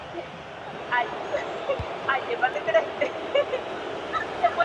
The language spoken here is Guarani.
ajépa nde kyraite